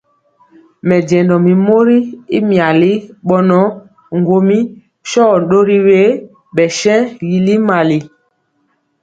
Mɛnjéndɔ mi mori y miali bɔnɔ ŋguomi sho ndori wiɛɛ bɛ shen yili mali.